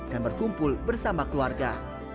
dan berkumpul bersama keluarga